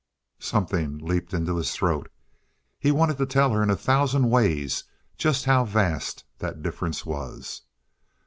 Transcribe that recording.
Something leaped into his throat. He wanted to tell her in a thousand ways just how vast that difference was.